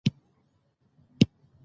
هر شاعر د خپل احساس استازیتوب کوي.